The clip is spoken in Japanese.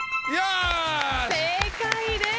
正解です。